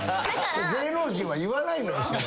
芸能人は言わないのよそれ。